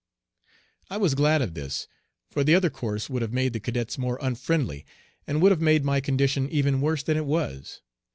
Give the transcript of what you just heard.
I was glad of this, for the other course would have made the cadets more unfriendly, and would have made my condition even worse than it was.